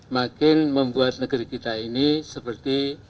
makin membuat negeri kita ini seperti